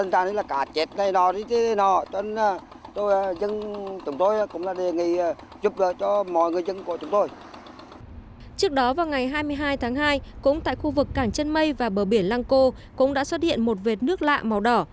trước đó vào ngày hai mươi hai tháng hai cũng tại khu vực cảng chân mây và bờ biển lăng cô cũng đã xuất hiện một vệt nước lạ màu đỏ